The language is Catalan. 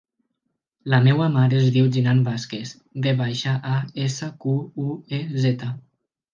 La meva mare es diu Jinan Vasquez: ve baixa, a, essa, cu, u, e, zeta.